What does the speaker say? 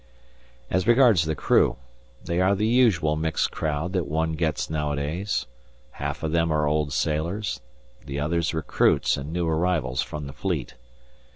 As regards the crew, they are the usual mixed crowd that one gets nowadays: half of them are old sailors, the others recruits and new arrivals from the Fleet.